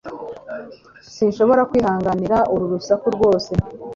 Sinshobora kwihanganira uru rusaku rwose